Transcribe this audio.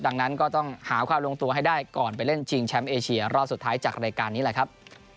ดังนั้นก็ต้องหาความลงตัวให้ได้ก่อนไปเล่นชิงแชมป์เอเชียรอบสุดท้ายจากรายการนี้แหละครับ